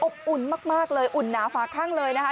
อุ่นมากเลยอุ่นหนาฝาข้างเลยนะคะ